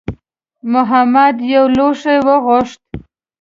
محمد یو لوښی وغوښت.